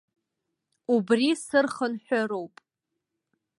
Убри сырхынҳәыроуп.